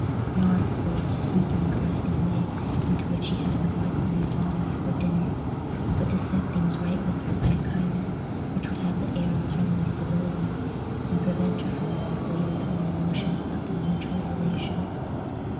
Not, of course, to speak in the caressing way into which he had unguardedly fallen before dinner, but to set things right with her by a kindness which would have the air of friendly civility, and prevent her from running away with wrong notions about their mutual relation.